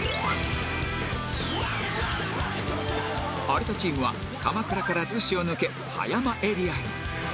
有田チームは鎌倉から逗子を抜け葉山エリアに